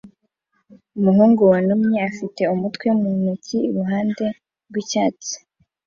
Umuhungu yunamye afite umutwe mu ntoki iruhande rwicyatsi